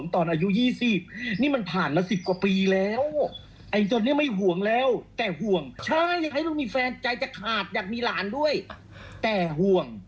ถึงแม้งานการมันไม่ดีแต่ว่ามันทำงาน